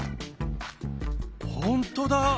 ほんとだ！